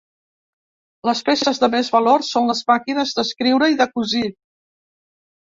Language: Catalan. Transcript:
Les peces de més valor són les màquines d'escriure i de cosir.